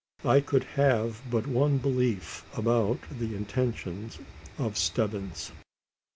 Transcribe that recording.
I could have but one belief about the intention of Stebbins.